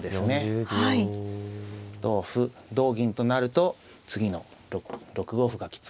同歩同銀となると次の６五歩がきつく。